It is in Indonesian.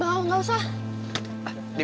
gak ada yang mau nanya